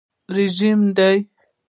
رژیم دی.